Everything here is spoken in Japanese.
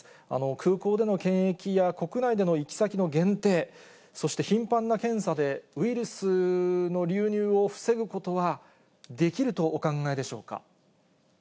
空港での検疫や国内での行き先の限定、そして頻繁な検査で、ウイルスの流入を防ぐことはできるとお考えでしょうか。